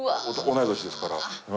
同い年ですから。